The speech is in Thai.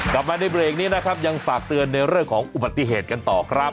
กลับมาในเบรกนี้นะครับยังฝากเตือนในเรื่องของอุบัติเหตุกันต่อครับ